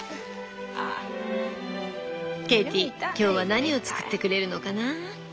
ケイティ今日は何を作ってくれるのかな？